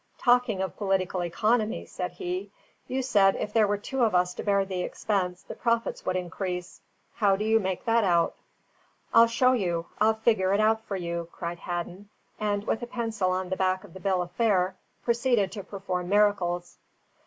"Talking of political economy," said he, "you said if there were two of us to bear the expense, the profits would increase. How do you make out that?" "I'll show you! I'll figure it out for you!" cried Hadden, and with a pencil on the back of the bill of fare proceeded to perform miracles.